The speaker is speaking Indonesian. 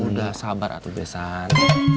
ya udah sabar atuh besan